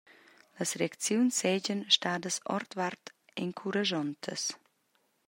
Las reacziuns seigien stadas ordvart encuraschontas.